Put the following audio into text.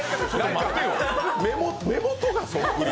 目元がそっくり。